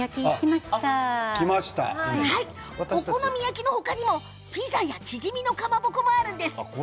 お好み焼きの他にもピザやチヂミのかまぼこがあるんです。